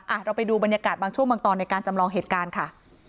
เราไปดูบรรยากาศบางช่วงบางตอนในการจำลองเหตุการณ์ค่ะ